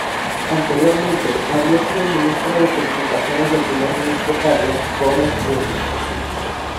Anteriormente había sido Ministra de Comunicaciones del Primer Ministro Carlos Gomes Júnior.